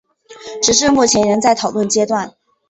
直至目前仍处在讨论阶段。